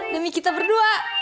demi kita berdua